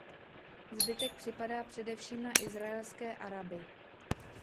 Zbytek připadá především na izraelské Araby.